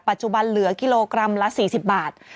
ปัจจุบันเหลือกิโลกรัมละ๔๐บาท